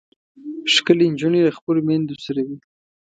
ښکلې نجونې له خپلو میندو سره وي.